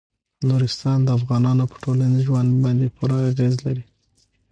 نورستان د افغانانو په ټولنیز ژوند باندې پوره اغېز لري.